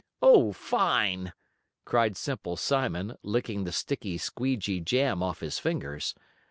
"Oh, fine!" cried Simple Simon, licking the sticky squeegee jam off his fingers.